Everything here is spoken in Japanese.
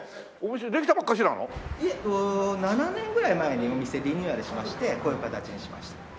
いえ７年ぐらい前にお店リニューアルしましてこういう形にしました。